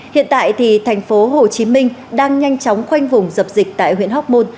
hiện tại thì thành phố hồ chí minh đang nhanh chóng khoanh vùng dập dịch tại huyện hóc môn